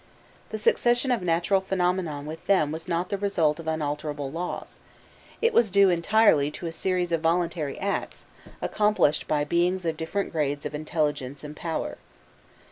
The succession of natural phenomena with them was not the result of unalterable laws; it was due entirely to a series of voluntary acts, accomplished by beings of different grades of intelligence and power.